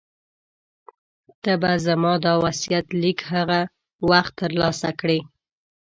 ته به زما دا وصیت لیک هغه وخت ترلاسه کړې.